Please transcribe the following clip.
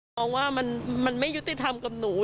มองว่ามันไม่ยุติธรรมกับหนู